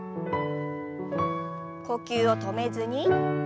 呼吸を止めずに。